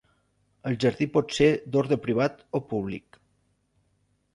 El jardí pot ser d'ordre privat o públic.